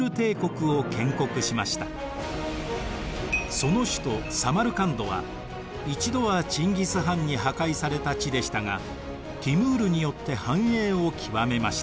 その首都サマルカンドは一度はチンギス・ハンに破壊された地でしたがティムールによって繁栄を極めました。